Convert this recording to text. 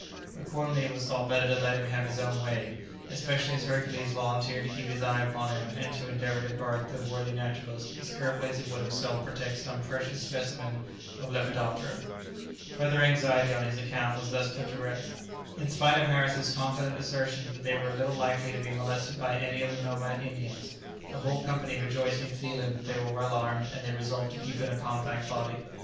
Accordingly it was thought better to let him have his own way, especially as Hercules volunteered to keep his eye upon him, and to endeavour to guard the worthy naturalist as carefully as he would himself protect some precious specimen of a lepidoptera. Further anxiety on his account was thus put to rest. [Illustration: The way across the forest could scarcely be called a path.] In spite of Harris's confident assertion that they were little likely to be molested by any of the nomad Indians, the whole company rejoiced in feeling that they were well armed, and they resolved to keep in a compact body.